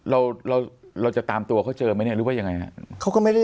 เราเราจะตามตัวเขาเจอไหมเนี่ยหรือว่ายังไงครับ